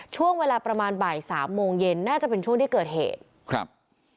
ช่วงเวลาประมาณบ่ายสามโมงเย็นน่าจะเป็นช่วงที่เกิดเหตุครับ